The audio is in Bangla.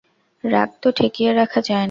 রাগ তো ঠেকিয়ে রাখা যায় না।